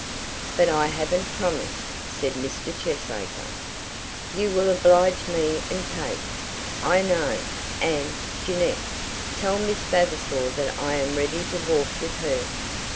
"But I haven't promised," said Mr. Cheesacre. "You will oblige me and Kate, I know; and, Jeannette, tell Miss Vavasor that I am ready to walk with her."